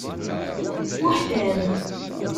Uḥtam.